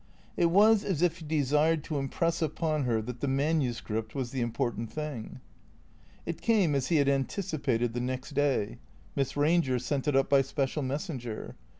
It was as if he desired to impress upon her that the manu script was the important thing. It came as he had anticipated the next day. Miss Ranger sent it up by special messenger.